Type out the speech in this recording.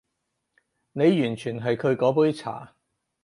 你完全係佢嗰杯茶